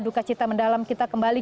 duka cita mendalam kita kembali